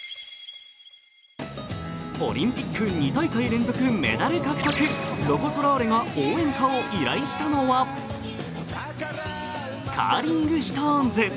オリンピック２大会連続メダル獲得ロコ・ソラーレが応援歌を依頼したのは、カーリングシトーンズ。